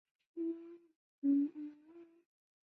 官至提督衔徐州镇总兵。